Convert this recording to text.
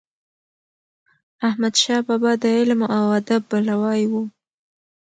احمد شاه بابا د علم او ادب پلوی و.